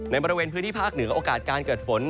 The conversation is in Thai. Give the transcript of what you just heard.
บริเวณพื้นที่ภาคเหนือโอกาสการเกิดฝน